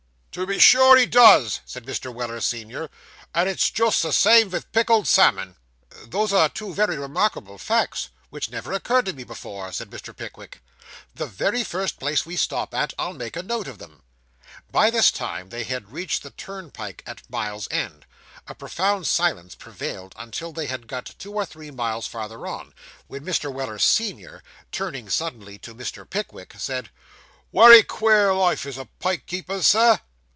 'To be sure he does,' said Mr. Weller, senior; 'and it's just the same vith pickled salmon!' 'Those are two very remarkable facts, which never occurred to me before,' said Mr. Pickwick. 'The very first place we stop at, I'll make a note of them.' By this time they had reached the turnpike at Mile End; a profound silence prevailed until they had got two or three miles farther on, when Mr. Weller, senior, turning suddenly to Mr. Pickwick, said 'Wery queer life is a pike keeper's, sir.